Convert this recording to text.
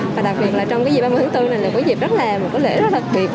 và đặc biệt là trong dịp ba mươi tháng bốn này là dịp rất là một lễ rất đặc biệt